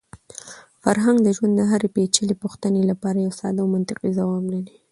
فرهنګ د ژوند د هرې پېچلې پوښتنې لپاره یو ساده او منطقي ځواب لري.